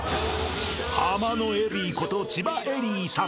［ハマのエリイこと千葉恵里さん］